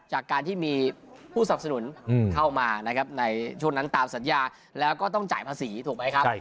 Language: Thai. จากการที่มีผู้สับสนุนเข้ามานะครับในช่วงนั้นตามสัญญาแล้วก็ต้องจ่ายภาษีถูกไหมครับ